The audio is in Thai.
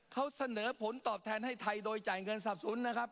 เขาเสนอผลตอบแทนให้ไทยโดยจ่ายเงินสับสนนะครับ